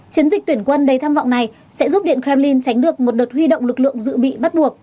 chiến dịch tuyển quân đầy tham vọng này sẽ giúp điện kremlin tránh được một đợt huy động lực lượng dự bị bắt buộc